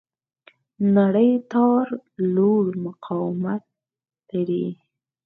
نری تار لوړ مقاومت لري.